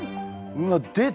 うわっ出た！